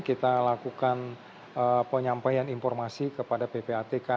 kita lakukan penyampaian informasi kepada ppatk